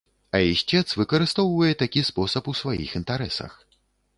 А ісцец выкарыстоўвае такі спосаб у сваіх інтарэсах.